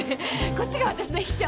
こっちがわたしの秘書。